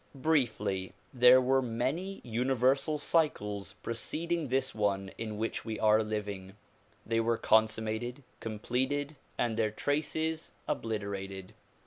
Briefly, there were many universal cycles preceding this one in which we are living. They were consummated, completed and their traces obliterated.